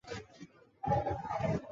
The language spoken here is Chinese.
泡芙一颗九十日币